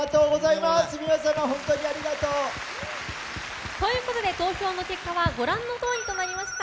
皆様、本当にありがとう！ということで投票の結果はご覧のとおりになりました。